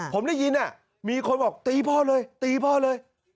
ผมได้ยินมีคนบอกตีพ่อเลยตีพ่อเลย